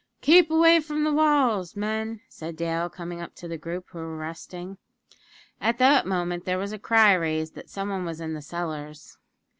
"Keep away from the walls, men," said Dale, coming up to the group, who were resting. At that moment there was a cry raised that some one was in the cellars.